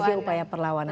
sebagai upaya perlawanan